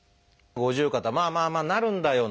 五十肩まあまあなるんだよ